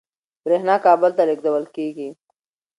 برېښنا کابل ته لېږدول کېږي.